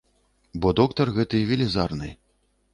Бо доктар гэты велізарны.